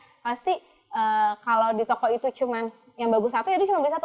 kayak belanja pasti kalau di toko itu cuma yang bagus satu ya dia cuma beli satu